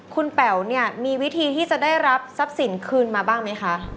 คุณแป๋วเนี่ยมีวิธีที่จะได้รับทรัพย์สินคืนมาบ้างไหมคะ